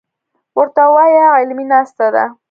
ورته وايه علمي ناسته ده.